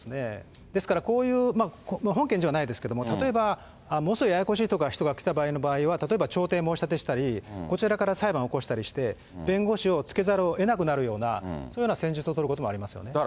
ですから、こういう本件ではないですけども、例えば、ものすごいややこしい人が来た場合は、例えば調停に申し立てしたり、こちらから裁判起こしたりして、弁護士をつけざるをえなくなるような、そういうような戦術を取ることもありますよね。